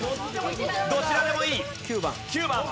どちらでもいい。